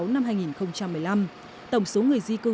năm hai nghìn một mươi năm tổng số người di cư